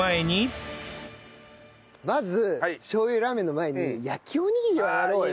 まずしょう油ラーメンの前に焼きおにぎりをやろうよ。